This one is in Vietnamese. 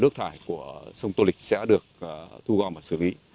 nước thải của sông tô lịch sẽ được thu gom và xử lý